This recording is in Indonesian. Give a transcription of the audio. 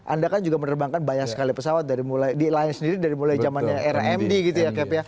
anda kan juga menerbangkan banyak sekali pesawat dari mulai di line sendiri dari mulai zamannya era md gitu ya cap ya